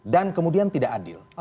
dan kemudian tidak adil